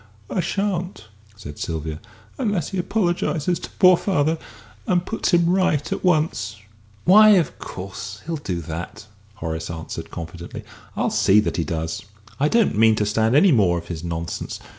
"I shan't," said Sylvia, "unless he apologises to poor father, and puts him right at once." "Why, of course, he'll do that," Horace answered confidently. "I'll see that he does. I don't mean to stand any more of his nonsense.